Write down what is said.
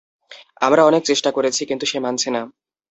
আমরা অনেক চেষ্টা করেছি, কিন্তু সে মানছে না।